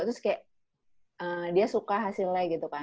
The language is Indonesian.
terus kayak dia suka hasilnya gitu kan